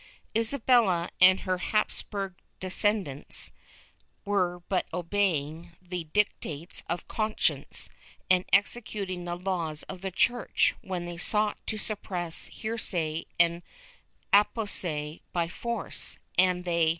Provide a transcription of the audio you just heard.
^ Isabella and her Hapsburg descendants were but obeying the dictates of conscience and executing the laws of the Church, when they sought to suppress heresy and apostasy by force, and they * Relacion del Auto de fe de 1733.